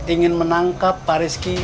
ingin menangkap pak rizky